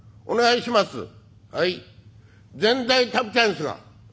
「お願いします」。